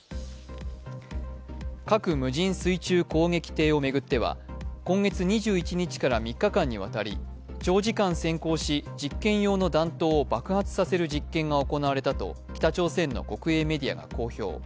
核無人水中攻撃艇を巡っては今月２１日から３日間にわたり長時間潜行し実験用の弾頭を爆発させる実験が行われたと北朝鮮の国営メディアが公表。